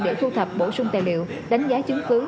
để thu thập bổ sung tài liệu đánh giá chứng cứ